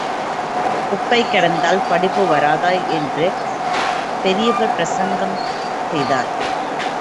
குப்பை கிடந்தால் படிப்பு வராதா என்று பெரியவர் பிரசங்கம் செய்தார்.